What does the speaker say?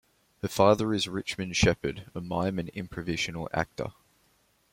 Her father is Richmond Shepard, a mime and improvisational actor.